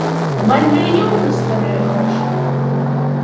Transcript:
Амаль мільён на старыя грошы!